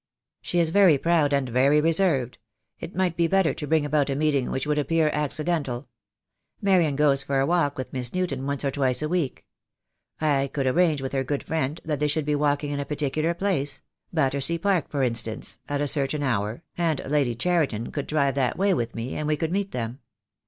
"She is very proud and very reserved. It might be better to bring about a meeting which would appear ac cidental. Marian goes for a walk with Miss Newton once or twice a week. I could arrange with her good friend that they should be walking in a particular place — Batter sea Park for instance — at a certain hour, and Lady Cheriton could drive that way with me, and we could meet them.